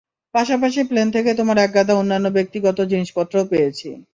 পাশাপাশি প্লেন থেকে তোমার একগাদা অন্যান্য ব্যক্তিগত জিনিসপত্রও পেয়েছি।